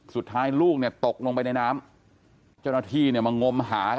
สุดท้ายลูกตกลงไปในน้ำ